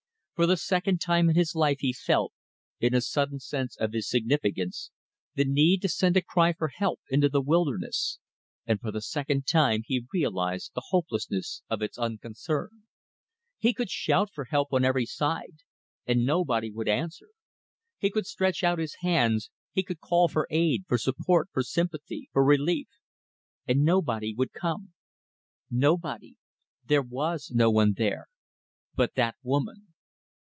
For the second time in his life he felt, in a sudden sense of his significance, the need to send a cry for help into the wilderness, and for the second time he realized the hopelessness of its unconcern. He could shout for help on every side and nobody would answer. He could stretch out his hands, he could call for aid, for support, for sympathy, for relief and nobody would come. Nobody. There was no one there but that woman.